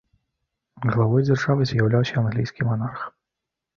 Главой дзяржавы з'яўляўся англійскі манарх.